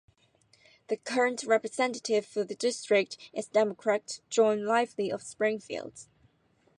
The current representative for the district is Democrat John Lively of Springfield.